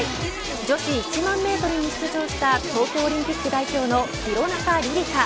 女子１００００メートルに出場した東京オリンピック代表の廣中璃梨佳。